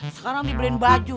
sekarang dibeliin baju